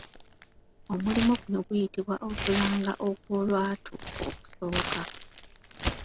Omulimu guno guyitibwa Okulanga Okw'olwatu Okusooka.